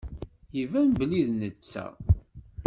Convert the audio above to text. Iban belli d netta.